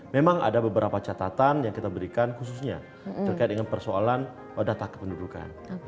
memang ada beberapa catatan yang kita berikan khususnya terkait dengan persoalan data kependudukan